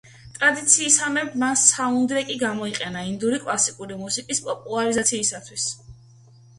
ტრადიციისამებრ, მან საუნდტრეკი გამოიყენა ინდური კლასიკური მუსიკის პოპულარიზაციისთვის.